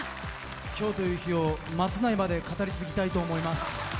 今日という日を末代まで語り継ぎたいと思います。